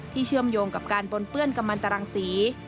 เชื่อมโยงกับการปนเปื้อนกำมันตรังศรี